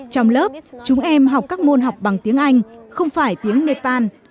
trong lớp chúng em học các môn học bằng tiếng anh không phải tiếng nepal